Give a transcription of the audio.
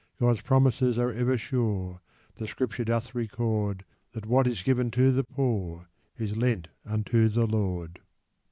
God's promises are ever sure, • The scripture. <doth record That what is given to the poor ! Is lent unto the Lord.